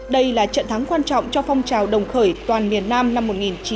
đây là trận thắng quan trọng cho phong trào đồng khởi toàn miền nam năm một nghìn chín trăm bảy mươi năm